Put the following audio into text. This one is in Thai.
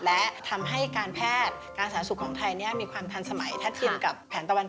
และทำให้การแพทย์การสาธารณสุขของไทยมีความทันสมัยถ้าเทียมกับแผนตะวัน